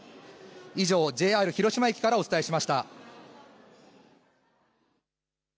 以上、ＪＲ広島駅からお伝えしました。